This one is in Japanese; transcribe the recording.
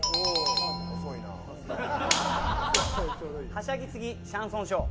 はしゃぎすぎシャンソンショー。